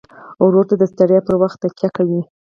ورور ته د ستړیا پر وخت تکیه کوي.